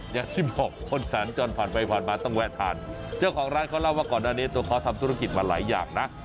อย่างที่บอกคนสัญจรผ่านไปผ่านมาต้องแวะทานเจ้าของร้านเขาเล่าว่าก่อนหน้านี้ตัวเขาทำธุรกิจมาหลายอย่างนะ